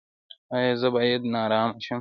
ایا زه باید نارامه شم؟